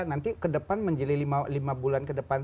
nanti ke depan menjadi lima bulan ke depan